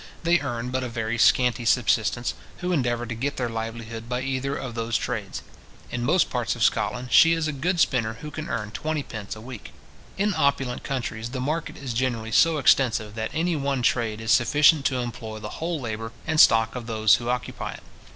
They earn but a very scanty subsistence, who endeavour to get their livelihood by either of those trades. In most parts of Scotland, she is a good spinner who can earn twentypence a week. In opulent countries, the market is generally so extensive, that any one trade is sufficient to employ the whole labour and stock of those who occupy it.